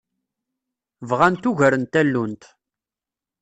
Bɣant ugar n tallunt.